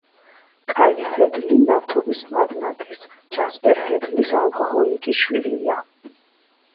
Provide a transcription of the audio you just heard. კაილ ჰედლი ნავთობის მაგნატის, ჯასპერ ჰედლის ალკოჰოლიკი შვილია.